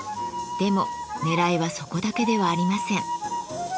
でも狙いはそこだけではありません。